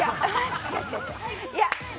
違う違う違う。